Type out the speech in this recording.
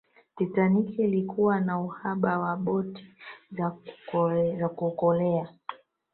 titanic ilikuwa na uhaba wa boti za kuokolea